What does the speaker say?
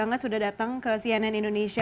molita rusi cnn indonesia